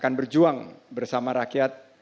akan berjuang bersama rakyat